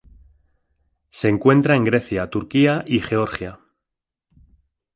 Se encuentra en Grecia, Turquía y Georgia.